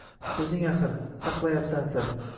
O’zing axir, saqlayapsan sir